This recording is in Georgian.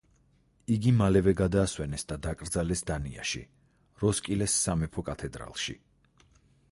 იგი მალევე გადაასვენეს და დაკრძალეს დანიაში, როსკილეს სამეფო კათედრალში.